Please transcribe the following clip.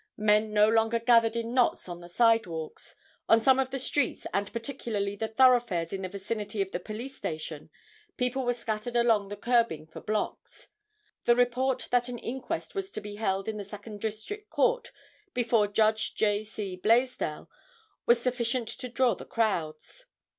Men no longer gathered in knots on the sidewalks. On some of the streets, and particularly the thoroughfares in the vicinity of the police station, people were scattered along the curbing for blocks. The report that an inquest was to be held in the Second District Court before Judge J. C. Blaisdell, was sufficient to draw the crowds.